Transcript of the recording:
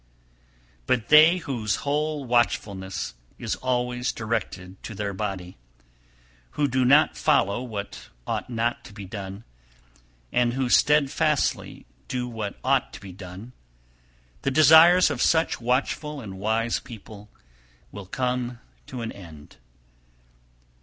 293. But they whose whole watchfulness is always directed to their body, who do not follow what ought not to be done, and who steadfastly do what ought to be done, the desires of such watchful and wise people will come to an end.